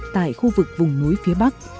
tại khu vực vùng núi phía bắc